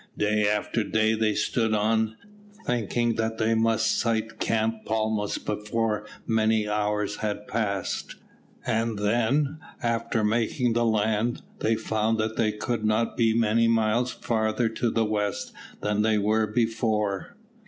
Day after day they stood on, thinking that they must sight Cape Palmas before many hours had passed, and then, after making the land, they found that they could not be many miles farther to the west than they were before.